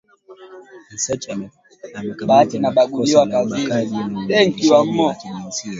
asanch amekamatwa kwa kosa la ubakaji na udhalilishaji wa kijinsia